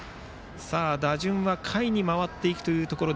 打順は下位に回っていくというところ。